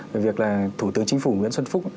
về việc là thủ tướng chính phủ nguyễn xuân phúc